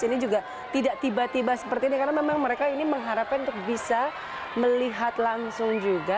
ini juga tidak tiba tiba seperti ini karena memang mereka ini mengharapkan untuk bisa melihat langsung juga